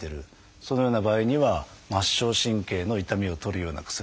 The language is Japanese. そのような場合には末梢神経の痛みを取るような薬。